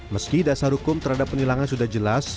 meski dasar hukum terhadap penilangan sudah jelas